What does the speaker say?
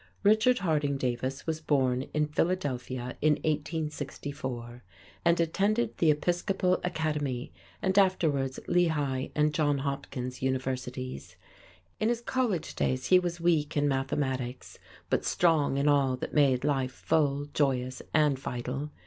Richard Harding Davis was born in Philadelphia in 1864, and attended the Episcopal Academy and afterwards Lehigh and Johns Hopkins Universities. In his college days he was weak in mathematics, but strong in all that made life full, joyous and vital.